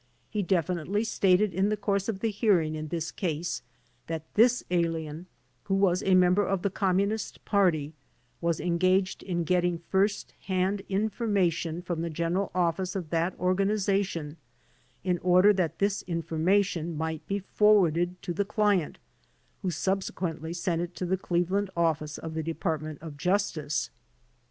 He definitely stated in the course of the hearing in this case that this alien, who was a member of the Communist Party, was engaged in getting first hand information from the general office of that organization in order that this information might be forwarded to the client, who subsequently sent it to HOW THE ARRESTS WERE MADE 33 the Cleveland office of the Department of Justice.